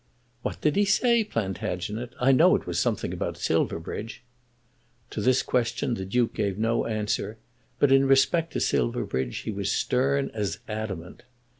"What did he say, Plantagenet? I know it was something about Silverbridge." To this question the Duke gave no answer, but in respect to Silverbridge he was stern as adamant.